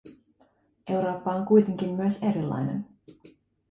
Eurooppa on kuitenkin myös erilainen.